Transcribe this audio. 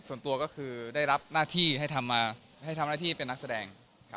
อ่าส่วนตัวก็คือได้รับนาธิให้ทำมาให้ทำนาธิเป็นนักแสดง